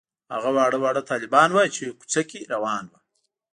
هغه واړه واړه طالبان وو چې کوڅه کې روان وو.